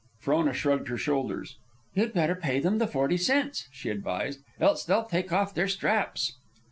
Frona shrugged her shoulders. "You'd better pay them the forty cents," she advised, "else they will take off their straps."